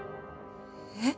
えっ？